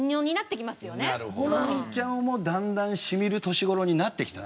ホランちゃんもだんだんしみる年頃になってきた？